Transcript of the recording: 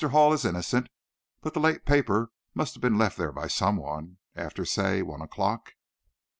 Hall is innocent. But the late paper must have been left there by some one, after, say, one o'clock."